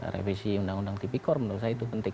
revisi undang undang tipikor menurut saya itu penting